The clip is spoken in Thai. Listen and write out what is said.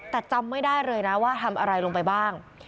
แต่จำไม่ได้เลยนะว่าทำอะไรลงไปบ้าง